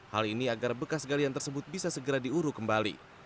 hal ini agar bekas galian tersebut bisa segera diuruk kembali